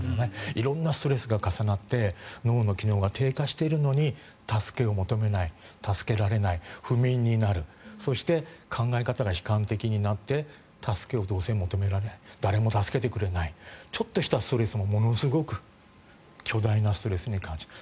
色んなストレスが重なって脳の機能が低下しているのに助けを求めない助けられない、不眠になるそして、考え方が悲観的になって助けを求められない誰も助けてくれないちょっとしたストレスもものすごく巨大なストレスに感じる。